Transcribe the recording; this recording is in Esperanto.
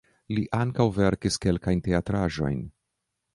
Li ankaŭ verkis kelkajn teatraĵojn.